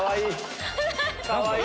かわいい！